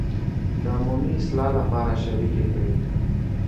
د عمومي اصلاح لپاره شریکې کړي.